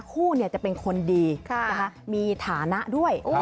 คู่จะเป็นคนดีมีฐานะด้วย